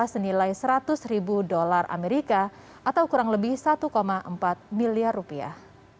senilai seratus ribu dolar amerika atau kurang lebih satu empat miliar rupiah